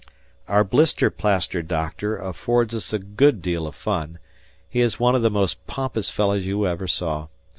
... Our blister plaster doctor affords us a good deal of fun. He is one of the most pompous fellows you ever saw.